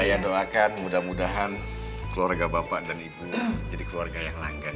saya doakan mudah mudahan keluarga bapak dan ibunya jadi keluarga yang langgan